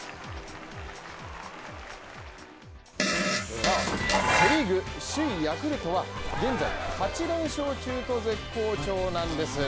さあ、セ・リーグ首位ヤクルトは現在８連勝中と絶好調なんです